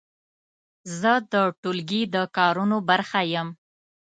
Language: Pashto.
زه د ټولګي د کارونو برخه یم.